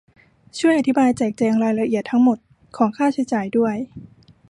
ช่วยอธิบายแจกแจงรายละเอียดทั้งหมดของค่าใช้จ่ายด้วย